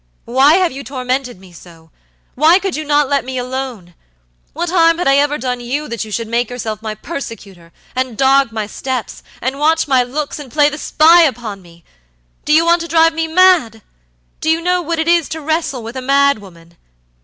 Why have you tormented me so? Why could you not let me alone? What harm had I ever done you that you should make yourself my persecutor, and dog my steps, and watch my looks, and play the spy upon me? Do you want to drive me mad? Do you know what it is to wrestle with a mad woman?